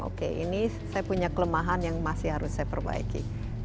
oke ini saya punya kelemahan yang masih harus saya perbaiki